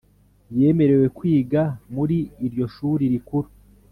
Yemererwe kwiga muri iryo shuri rikuru